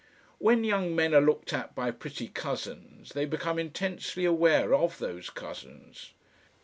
When young men are looked at by pretty cousins, they become intensely aware of those cousins.